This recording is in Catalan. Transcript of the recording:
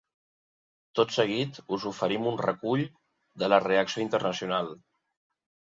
Tot seguit us oferim un recull de la reacció internacional.